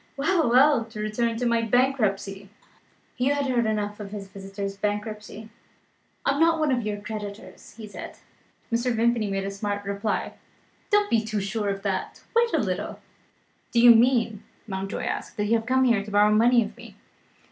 Well! well! to return to my bankruptcy." Hugh had heard enough of his visitor's bankruptcy. "I am not one of your creditors," he said. Mr. Vimpany made a smart reply: "Don't you be too sure of that. Wait a little." "Do you mean," Mountjoy asked, "that you have come here to borrow money of me?"